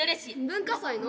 文化祭の？